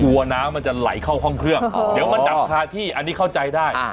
กลัวน้ำมันจะไหลเข้าห้องเครื่องเดี๋ยวมันดับคาที่อันนี้เข้าใจได้